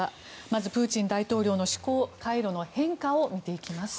まず、プーチン大統領の思考回路の変化を見ていきます。